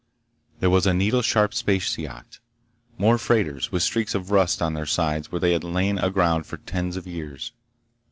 There was a needle sharp space yacht. More freighters, with streaks of rust on their sides where they had lain aground for tens of years....